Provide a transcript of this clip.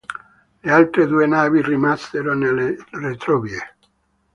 Le altre due navi rimasero nelle retrovie.